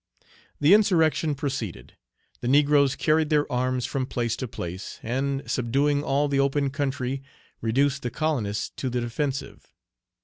The insurrection proceeded; the negroes carried their arms from place to place, and, subduing all the open country, reduced the colonists to the defensive.